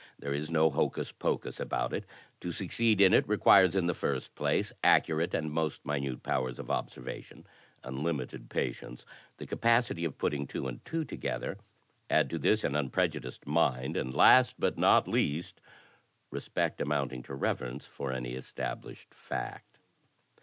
There is no hocus pocus about it. To succeed in it requires, in the first place, accurate and most minute powers of observation, unlimited patience, the capacity of putting two and two together. Add to this an unprejudiced mind, and last, but not least, respect, amotmting to reverence, for any established fact.